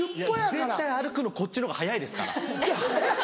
絶対歩くのこっちのほうが速いですから。